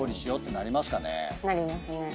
なりますね。